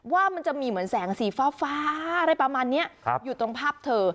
ว่ามันจะมีเหมือนแสงสีฟ้าอะไรประมาณนี้อยู่ตรงภาพเธอ